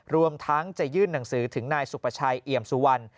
รวมทั้งจะยื่นหนังสือถึงนายสุประชัยเอี่ยมสุวรรณ